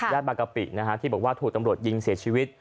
บางกะปินะฮะที่บอกว่าถูกตำรวจยิงเสียชีวิต